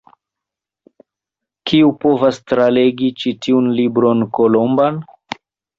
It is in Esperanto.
Kiu povas tralegi ĉi tiun Libron Kolomban?